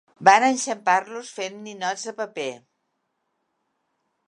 Van enxampar-los fent ninots de paper.